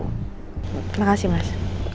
terima kasih mas